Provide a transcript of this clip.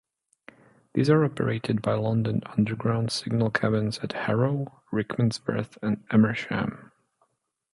These are operated by London Underground signal cabins at Harrow, Rickmansworth and Amersham.